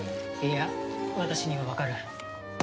いや私にはわかる。